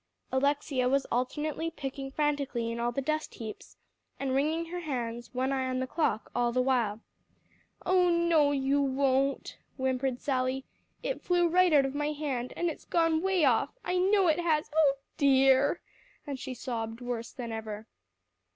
Alexia was alternately picking frantically in all the dust heaps, and wringing her hands, one eye on the clock all the while. "Oh, no, you won't," whimpered Sally. "It flew right out of my hand, and it's gone way off I know it has oh dear!" and she sobbed worse than ever.